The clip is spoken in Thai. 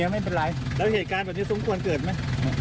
แล้วเหตุการณ์แบบนี้สมควรเกิดมั้ย